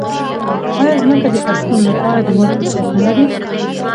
آیا ځمکه د پښتون لپاره د مور حیثیت نلري؟